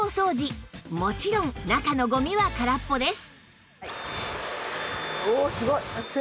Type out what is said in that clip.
もちろん中のゴミは空っぽです